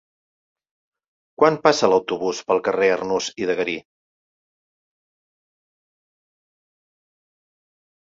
Quan passa l'autobús pel carrer Arnús i de Garí?